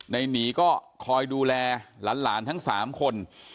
หนีก็คอยดูแลหลานทั้ง๓คน